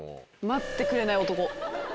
待ってくれない男。